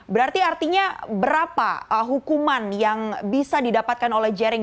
berarti artinya berapa hukuman yang bisa didapatkan oleh jering